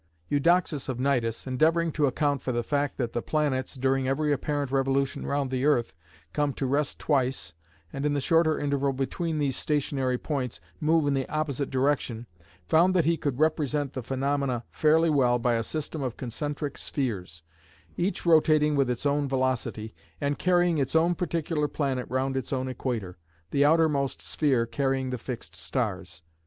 Eudoxus of Cnidus, endeavouring to account for the fact that the planets, during every apparent revolution round the earth, come to rest twice, and in the shorter interval between these "stationary points," move in the opposite direction, found that he could represent the phenomena fairly well by a system of concentric spheres, each rotating with its own velocity, and carrying its own particular planet round its own equator, the outermost sphere carrying the fixed stars.